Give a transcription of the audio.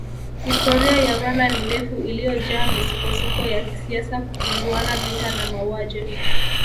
Historia ya Rwanda ni ndefu iliyojaa misukosuko ya kisiasa kupinduana vita na mauaji